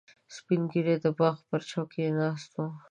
سپین ږیری د باغ پر چوکۍ ناست و.